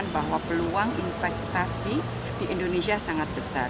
bahwa peluang investasi di indonesia sangat besar